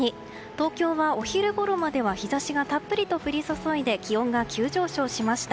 東京はお昼ごろまでは日差しがたっぷりと降り注いで気温が急上昇しました。